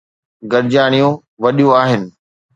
گڏجاڻيون وڏيون آهن.